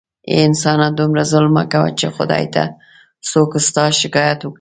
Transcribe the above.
اې انسانه دومره ظلم مه کوه چې خدای ته څوک ستا شکایت وکړي